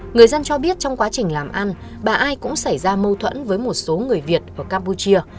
người dân cho biết trong quá trình làm ăn bà ai cũng xảy ra mâu thuẫn với một số người việt ở campuchia